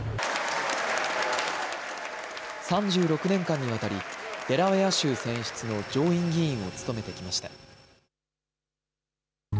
３６年間にわたりデラウェア州選出の上院議員を務めてきました。